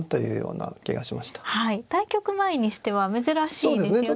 はい対局前にしては珍しいですよね。